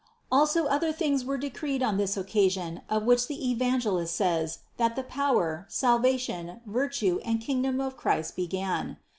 115. Also other things were decreed on this occasion of which the Evangelist says that the power, salvation, virtue and kingdom of Christ began.